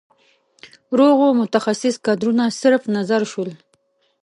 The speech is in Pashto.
روغو متخصص کدرونه صرف نظر شول.